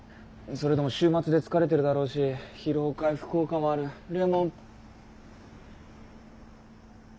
それとも週末で疲れてるだろうし疲労回復効果もあるレモン。